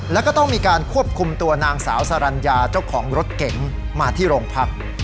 แล้วก็ต้องมีการควบคุมตัวนางสาวสรรญาเจ้าของรถเก๋งมาที่โรงพัก